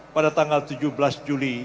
pada tanggal tujuh belas juli